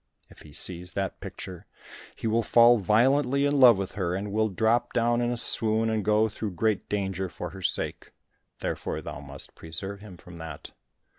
If he sees that picture, he will fall violently in love with her, and will drop down in a swoon, and go through great danger for her sake, therefore thou must preserve him from that."